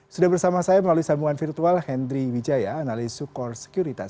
sudah bersama saya melalui sambungan virtual hendry wijaya analis sukor sekuritas